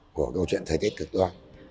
của đô chuẩn thời tiết thực ra